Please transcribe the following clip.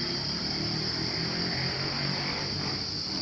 สวัสดีครับทุกคน